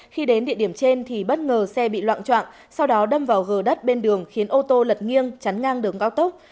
khi đến địa điểm trên thì bất ngờ xe bị loạn trọng sau đó đâm vào gờ đất bên đường khiến ô tô lật nghiêng chắn ngang đường cao tốc